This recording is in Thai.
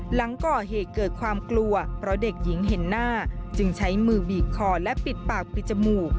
หลังก่อเหตุเกิดความกลัวเพราะเด็กหญิงเห็นหน้าจึงใช้มือบีบคอและปิดปากปิดจมูก